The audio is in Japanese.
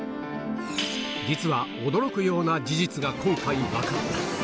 実は驚くような事実が今回、分かった。